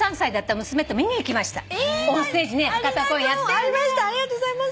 ありがとうございます。